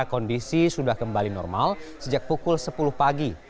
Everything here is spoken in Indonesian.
kondisi sudah kembali normal sejak pukul sepuluh pagi